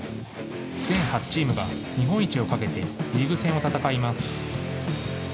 全８チームが日本一をかけてリーグ戦を戦います。